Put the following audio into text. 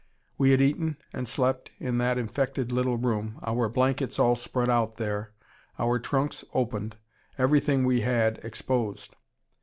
We had eaten and slept in that infected little room, our blankets all spread out there, our trunks opened, everything we had exposed.